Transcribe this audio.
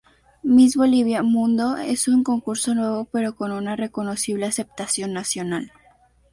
Miss Bolivia Mundo es un concurso nuevo pero con una reconocible aceptación nacional.